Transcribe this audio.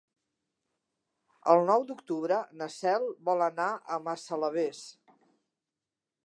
El nou d'octubre na Cel vol anar a Massalavés.